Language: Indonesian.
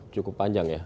cukup panjang ya